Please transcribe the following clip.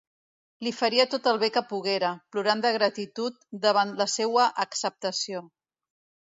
Li faria tot el bé que poguera, plorant de gratitud davant la seua acceptació.